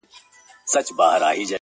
هرچا ته ځکهیاره بس چپه نیسم لاسونه،